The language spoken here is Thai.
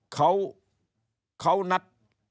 เขานัด